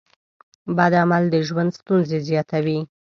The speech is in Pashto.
بد عمل د ژوند ستونزې زیاتوي.